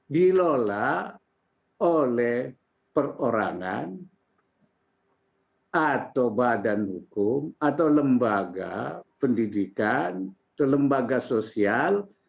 dilola oleh perorangan atau badan hukum atau lembaga pendidikan atau lembaga sosial